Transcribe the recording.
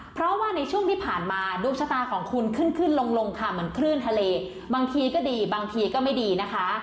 เพราะว่าในช่วงที่ผ่านมาดวงชะตาของคุณขึ้นขึ้นลงค่ะเหมือนคลื่นทะเลบางทีก็ดีบางทีก็ไม่ดีนะคะ